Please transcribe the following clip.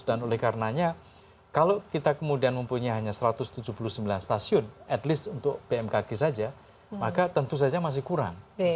dan oleh karenanya kalau kita kemudian mempunyai hanya satu ratus tujuh puluh sembilan stasiun at least untuk bmkg saja maka tentu saja masih kurang